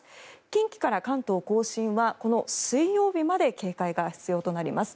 近畿から関東・甲信は水曜日まで警戒が必要となります。